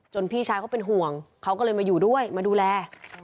พี่ชายเขาเป็นห่วงเขาก็เลยมาอยู่ด้วยมาดูแล